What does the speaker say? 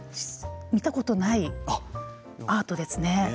見たことがないアートですね。